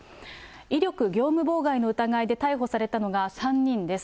威力業務妨害の疑いで逮捕されたのが、３人です。